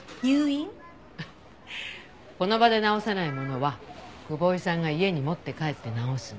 この場で直せないものは久保井さんが家に持って帰って直すの。